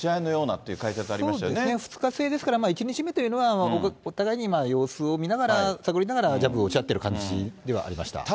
そうですね、２日制ですから、１日目というのは、お互いに様子を見ながら、探りながらジャブを打ち合っているような感じではありました。